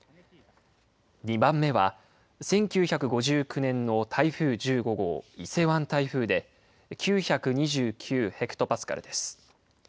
２番目は１９５９年の台風１５号、伊勢湾台風で、９２９ヘクトパスカルです。